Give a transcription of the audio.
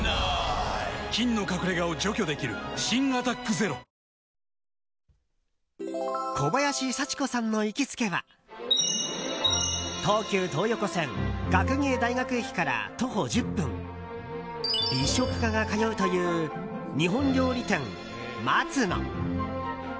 菌の隠れ家を除去できる新「アタックＺＥＲＯ」小林幸子さんの行きつけは東急東横線学芸大学駅から徒歩１０分美食家が通うという日本料理店、松野。